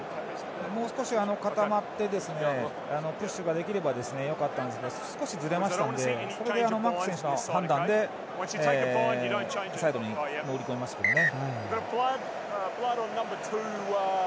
もう少し固まってプッシュができればよかったんですが少しずれましたのでマークス選手の判断でサイドに放り込みましたね。